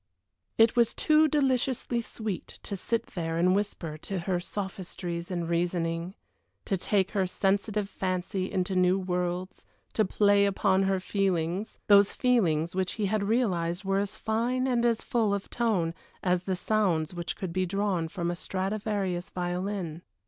It was too deliciously sweet to sit there and whisper to her sophistries and reasonings, to take her sensitive fancy into new worlds, to play upon her feelings those feelings which he realized were as fine and as full of tone as the sounds which could be drawn from a Stradivarius violin.